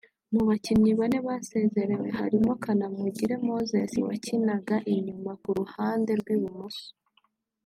Mu bakinnyi bane basezerewe harimo Kanamugire Moses wakinaga inyuma ku ruhande rw’ibumoso